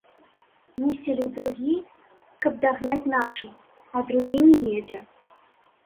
Мы селі ў другі, каб дагнаць нашых, а другі не едзе.